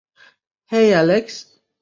হেই, Alex!